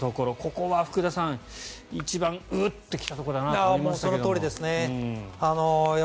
ここは福田さん一番うっ！と来たところだと思いましたが。